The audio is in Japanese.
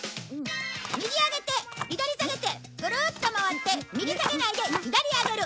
右上げて左下げてぐるっと回って右下げないで左上げる。